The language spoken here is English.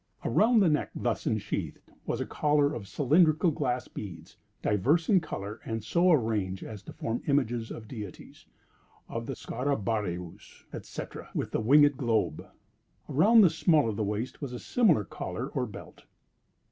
Around the neck thus ensheathed, was a collar of cylindrical glass beads, diverse in color, and so arranged as to form images of deities, of the scarabaeus, etc., with the winged globe. Around the small of the waist was a similar collar or belt.